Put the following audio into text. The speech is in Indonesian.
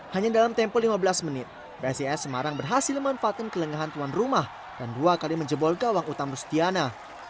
hanya dalam tempo lima belas menit psis semarang berhasil memanfaatkan kelengahan tuan rumah dan dua kali menjebol gawang utang rustiana